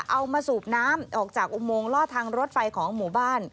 มาสูบน้ำออกจากอุโมงล่อทางรถไฟของหมู่บ้าน